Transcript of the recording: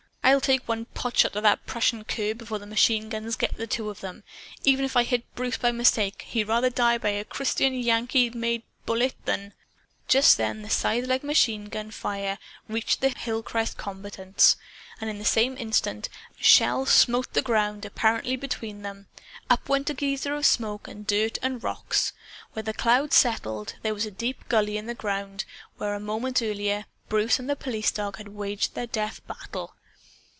"I'll take one potshot at that Prussian cur, before the machine guns get the two of 'em. Even if I hit Bruce by mistake, he'd rather die by a Christian Yankee made bullet than " Just then the scythelike machine gun fire reached the hillcrest combatants. And in the same instant a shell smote the ground, apparently between them. Up went a geyser of smoke and dirt and rocks. When the cloud settled, there was a deep gully in the ground where a moment earlier Bruce and the police dog had waged their death battle.